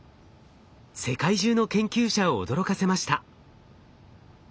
世界中の研究者を驚かせました。